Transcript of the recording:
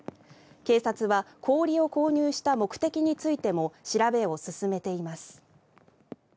警察は氷を購入した目的についても調べを進めています。